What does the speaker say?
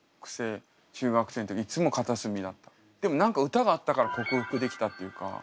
でも何か歌があったから克服できたっていうか。